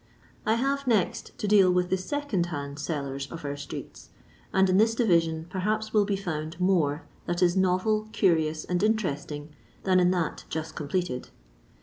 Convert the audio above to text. I have next to deal with the iecond'hand sellers of our streets ; and in this division perhaps will be found more that is novel, curious, and interesting, than in that just completed.